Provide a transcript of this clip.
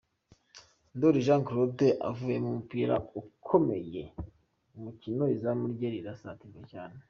Ndori Jean Claude akuyemo umupira ukomeye, ariko izamu rye rirasatirwa cyane.